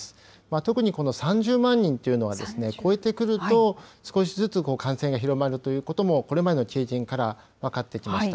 特にこの３０万人というのは超えてくると、少しずつ感染が広まるということも、これまでの経験から分かってきました。